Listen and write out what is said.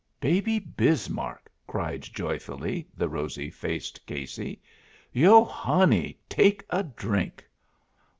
"Baby Bismarck!" cried, joyfully, the rosy faced Casey. "Yo hanny, take a drink."